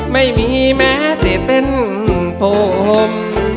ไม่มีแม้เศษเต้นโผ่ม